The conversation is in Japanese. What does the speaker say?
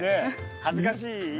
恥ずかしいねえ。